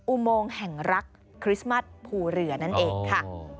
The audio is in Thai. อุโมงแห่งรักคริสต์มัสภูเรือนั่นเองค่ะ